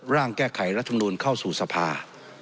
ร่างแก้ไขรัฐมนูลเข้าสู่สภา